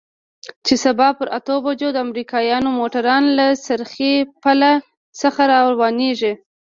چې سبا پر اتو بجو د امريکايانو موټران له څرخي پله څخه روانېږي.